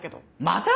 また？